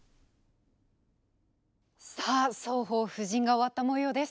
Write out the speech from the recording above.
さあ双方布陣が終わった模様です。